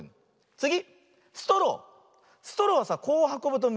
つぎ！